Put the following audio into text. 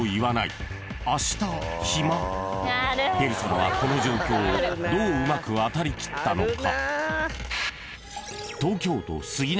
［ペルソナはこの状況をどううまく渡りきったのか？］